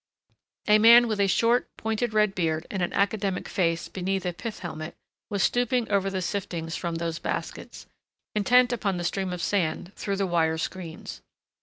A man with a short, pointed red beard and an academic face beneath a pith helmet was stooping over the siftings from those baskets, intent upon the stream of sand through the wire screens.